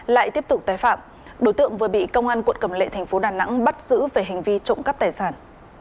lại tiếp tục tái phạm đối tượng vừa bị công an quận cầm lệ thành phố đà nẵng bắt giữ về hành vi trộm cắp tài sản